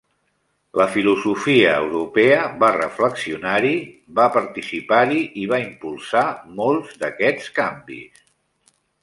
La filosofia europea va reflexionar-hi, va participar-hi i va impulsar molts d'aquests canvis.